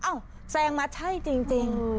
อ้าวแซงมาใช่จริง